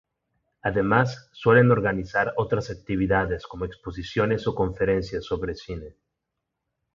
Además, suelen organizar otras actividades, como exposiciones o conferencias sobre cine.